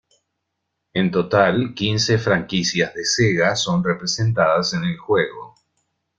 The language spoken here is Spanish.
En total, quince franquicias de Sega son representadas en el juego.